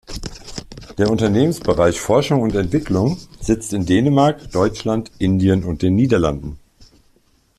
Der Unternehmensbereich Forschung und Entwicklung sitzt in Dänemark, Deutschland, Indien und den Niederlanden.